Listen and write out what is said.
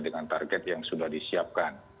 dengan target yang sudah disiapkan